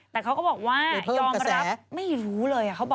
แต่เขาก็บอกว่ายอมรับ